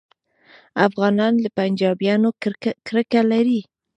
افغانان له پنجابیانو کرکه لري